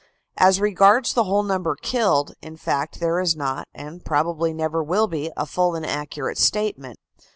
As regards the whole number killed, in fact, there is not, and probably never will be, a full and accurate statement.